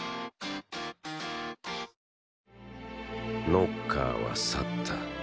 ノッカーは去った。